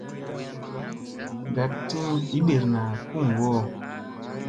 Ndaɗ tin giɗirna kuŋgu hoo.